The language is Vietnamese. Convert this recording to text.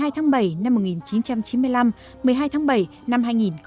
một mươi hai tháng bảy năm một nghìn chín trăm chín mươi năm một mươi hai tháng bảy năm hai nghìn một mươi tám